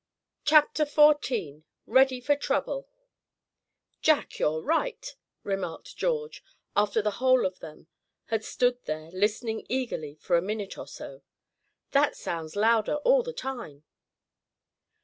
CHAPTER XIV READY FOR TROUBLE "Jack, you're right," remarked George, after the whole of them had stood there, listening eagerly for a minute or so. "That sounds louder all the time."